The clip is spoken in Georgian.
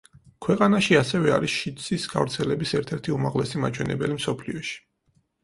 ქვეყანაში ასევე არის შიდსის გავრცელების ერთ-ერთი უმაღლესი მაჩვენებელი მსოფლიოში.